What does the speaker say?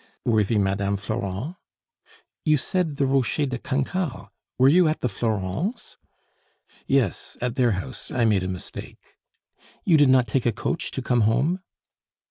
"Worthy Madame Florent " "You said the Rocher de Cancale. Were you at the Florents'?" "Yes, at their house; I made a mistake." "You did not take a coach to come home?"